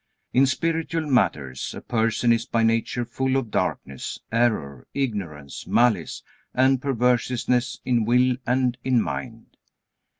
In spiritual matters a person is by nature full of darkness, error, ignorance, malice, and perverseness in will and in mind.